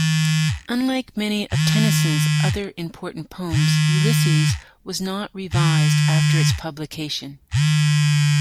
Unlike many of Tennyson's other important poems, "Ulysses" was not revised after its publication.